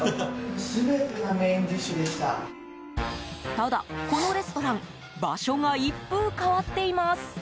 ただ、このレストラン場所が一風変わっています。